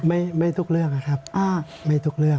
ไม่ทุกเรื่องนะครับไม่ทุกเรื่อง